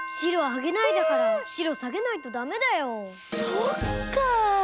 そっか。